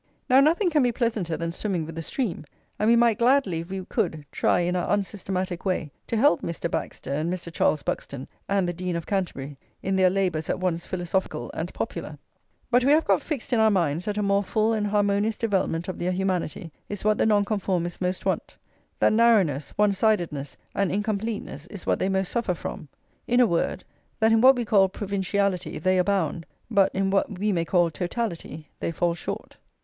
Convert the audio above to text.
Now, nothing can be pleasanter than swimming with the stream; and we might gladly, if we could, try in our unsystematic way to help Mr. Baxter, and Mr. Charles Buxton, and the Dean of Canterbury, in their labours at once philosophical and popular. But we have got fixed in our minds that a more full and harmonious development of their humanity is what the Nonconformists most want, that narrowness, one sidedness, and incompleteness is what they most suffer from; [xix] in a word, that in what we call provinciality they abound, but in what we may call totality they fall short.